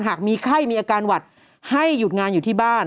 หากมีไข้มีอาการหวัดให้หยุดงานอยู่ที่บ้าน